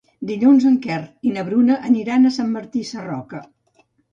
Dilluns en Quer i na Bruna aniran a Sant Martí Sarroca.